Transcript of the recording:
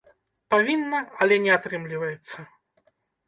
Павінна, але не атрымліваецца.